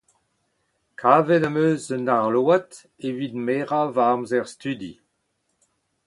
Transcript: Kavet em eus un arload evit merañ va amzer studi.